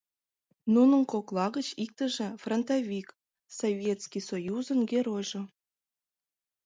Нунын кокла гыч иктыже — фронтовик, Советский Союзын Геройжо.